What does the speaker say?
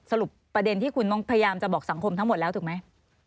สรุปประเด็นที่คุณต้องพยายามจะบอกสังคมทั้งหมดแล้วถูกไหม